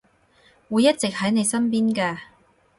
會一直喺你身邊㗎